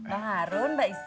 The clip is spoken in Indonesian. mbak harun mbak issa